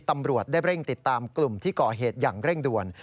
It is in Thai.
ตำรวจได้เร่งติดตามกลุ่มที่ก่อเหตุอย่างเร่งด่วน